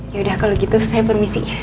yaudah kalau gitu saya permisi